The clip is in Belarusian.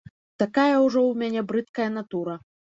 Такая ўжо ў мяне брыдкая натура.